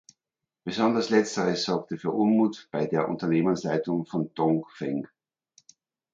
Besonders letzteres sorgte für Unmut bei der Unternehmensleitung von Dongfeng.